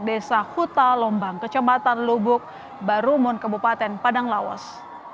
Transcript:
desa huta lombang kecembatan lubuk barumun kabupaten padang lawas